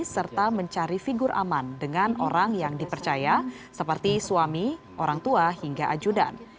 serta mencari figur aman dengan orang yang dipercaya seperti suami orang tua hingga ajudan